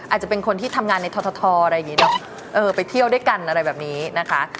อาจจะเป็นคนที่ทำงานในททอะไรอย่างนี้เนอะเออไปเที่ยวด้วยกันอะไรแบบนี้นะคะ